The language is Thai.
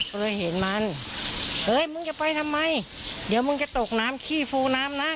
ก็เลยเห็นมันเฮ้ยมึงจะไปทำไมเดี๋ยวมึงจะตกน้ำขี้ฟูน้ำนะ